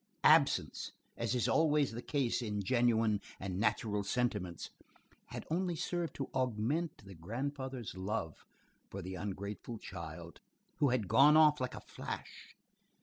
Absence, as is always the case in genuine and natural sentiments, had only served to augment the grandfather's love for the ungrateful child, who had gone off like a flash.